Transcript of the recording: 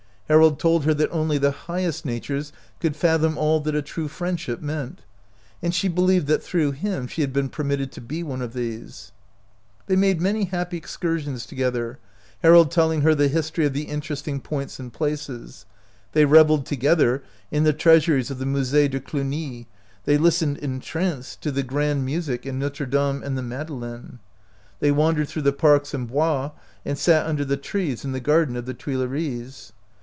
Harold told her that only the highest natures could fathom all fhat a true friendship meant, and she believed that through him she had been permitted to be one of these. They made many happy excursions to gether, Harold telling her the history of the interesting points and places. They reveled together in the treasures of the Mus£e de Cluny, they listened entranced to the grand 67 OUT OF BOHEMIA music at Notre Dame and the Madeleine. They wandered through the parks and Bois, and sat under the trees in the garden of the Tuileries.